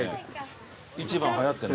１番はやってる。